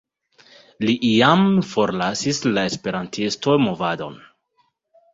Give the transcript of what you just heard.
Li iam forlasis la esperantisto-movadon.